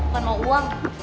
gak mau uang